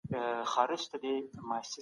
همدا قرآن دی چي عدالت غواړي.